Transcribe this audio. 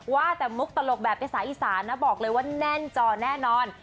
ว่าแต่มุกตลกแบบภาษาอีสานนะบอกเลยว่าแน่นจอแน่นอน